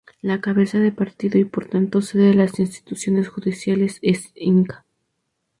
La cabeza de partido y por tanto sede de las instituciones judiciales es Inca.